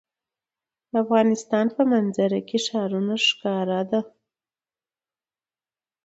د افغانستان په منظره کې ښارونه ښکاره ده.